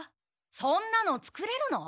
そんなの作れるの？